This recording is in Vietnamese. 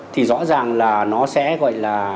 thì rõ ràng là nó sẽ gọi là